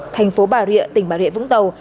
tp bà rịa tỉnh bà rịa vũng tàu